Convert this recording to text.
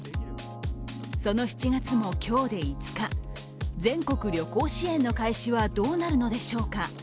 その７月も今日で５日、全国旅行支援の開始はどうなるのでしょうか。